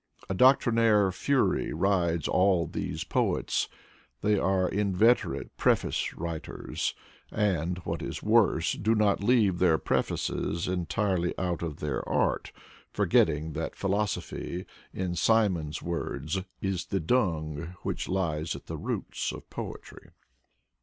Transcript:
A doctrinaire fury rides all these poets. They are in veterate preface writers, and, what is worse, do not leave their prefaces entirely out of their art, forgetting that philosophy, in Symons' words, is the dung which lies at the roots of poetry.